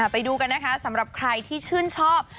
ไปดูกันนะคะสำหรับใครที่ชื่นชอบ